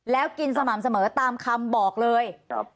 แล้วกินสม่ำเสมอตามคำบอกเลย